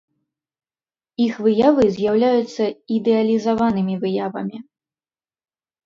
Іх выявы з'яўляюцца ідэалізаванымі выявамі.